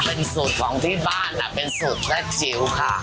เป็นสูตรของที่บ้านเป็นสูตรและจิ๋วค่ะ